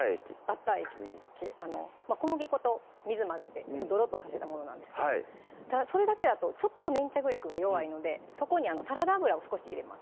バッター液ってあの小麦粉と水混ぜてドロッとさせたものなんですけどただそれだけだとちょっと粘着力が弱いのでそこにサラダ油を少し入れます